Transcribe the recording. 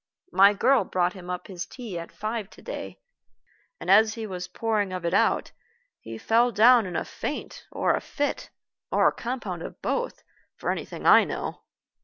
My girl brought him up his tea at five to day, and as he was pouring of it out, he fell down in a faint, or a fit, or a compound of both, for anything I know.